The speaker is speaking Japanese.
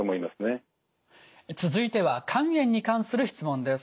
続いては肝炎に関する質問です。